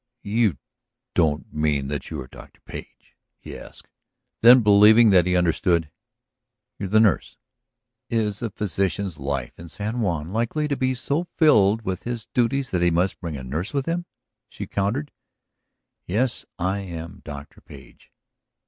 "You don't mean that you are Dr. Page?" he asked. Then, believing that he understood: "You're the nurse?" "Is a physician's life in San Juan likely to be so filled with his duties that he must bring a nurse with him?" she countered. "Yes, I am Dr. Page."